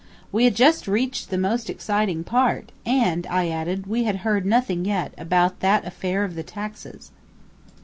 We had just reached the most exciting part, and, I added, we had heard nothing yet about that affair of the taxes.